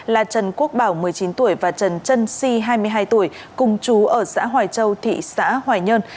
là trần quốc bảo một mươi chín tuổi và trần trân si hai mươi hai tuổi cùng chú ở xã hoài châu thị xã hoài nhơn